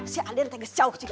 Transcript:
si adente jauh juga